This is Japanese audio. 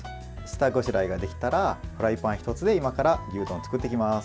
下ごしらえができたらフライパン１つで今から牛丼を作っていきます。